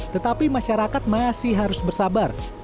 tetapi masyarakat masih harus bersabar